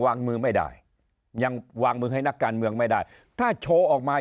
วางมือไม่ได้ยังวางมือให้นักการเมืองไม่ได้ถ้าโชว์ออกมา